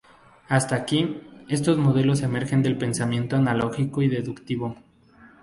Hasta aquí, estos modelos emergen del pensamiento analógico y deductivo.